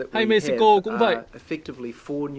hay mexico cũng vậy